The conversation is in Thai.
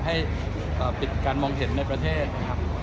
ให้ปิดการมองเห็นในประเทศนะครับ